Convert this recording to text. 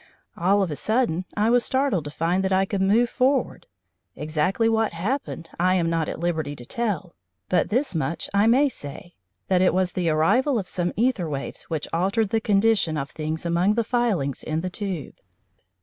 All of a sudden I was startled to find that I could move forward. Exactly what happened, I am not at liberty to tell, but this much I may say, that it was the arrival of some æther waves which altered the condition of things among the filings in the tube.